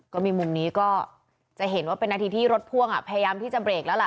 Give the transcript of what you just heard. ก็มีมุมนี้ก็จะเห็นว่าเป็นนาทีที่รถพ่วงพยายามที่จะเบรกแล้วล่ะ